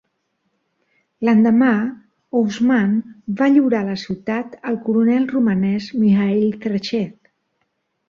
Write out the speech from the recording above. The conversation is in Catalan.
L'endemà, Osman va lliurar la ciutat al coronel romanès Mihail Cerchez.